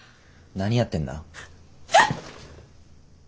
何やってんだ？